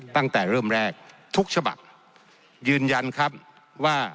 ตั้งแต่เริ่มแรกทุกฉบับยืนยันครับว่า